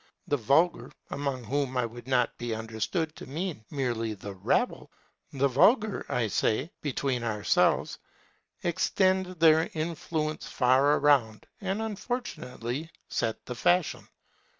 The vulgar among whom I would not be understood to mean merely the rabble the vulgar I say (between ourselves) extend their influence far around, and unfortunately set the fashion.